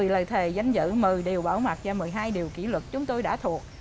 một mươi lời thề danh dự một mươi điều bảo mặt và một mươi hai điều kỷ luật chúng tôi đã thuộc